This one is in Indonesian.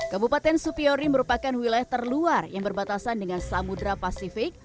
kabupaten supiori merupakan wilayah terluar yang berbatasan dengan samudera pasifik